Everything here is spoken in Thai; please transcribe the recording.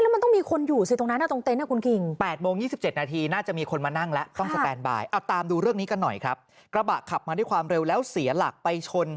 ป้อมตำรวจนี่อาจจะมีพระรอดอยู่ข้างในนะ